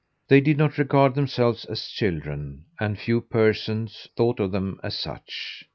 They did not regard themselves as children, and few persons thought of them as such.